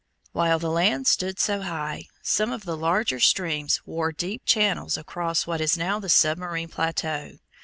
While the land stood so high, some of the larger streams wore deep channels across what is now the submarine plateau.